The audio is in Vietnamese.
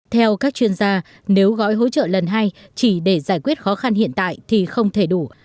theo các chuyên gia nếu gói hỗ trợ lần hai chỉ để giải quyết khó khăn hiện tại thì không thể đủ